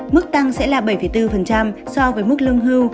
mức tăng sẽ là bảy bốn so với mức lương hưu